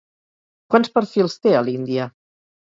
Quants perfils té a l'Índia?